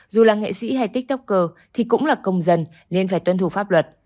dù là nghệ sĩ hay tiktoker thì cũng là công dân nên phải tuân thủ pháp luật